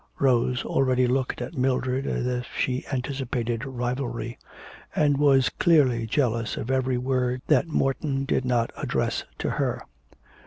Rose already looked at Mildred as if she anticipated rivalry, and was clearly jealous of every word that Morton did not address to her.